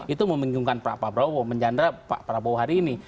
itu memunjungkan pak pabro menjandara pak pabro hari ini